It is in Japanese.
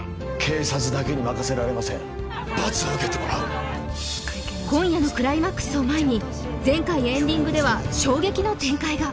警察だけに任せられません罰を受けてもらう今夜のクライマックスを前に前回エンディングでは衝撃の展開が！